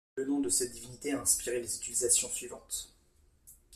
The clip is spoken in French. Le nom de cette divinité a inspiré les utilisations suivantes.